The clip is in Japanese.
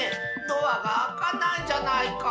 ドアがあかないじゃないか。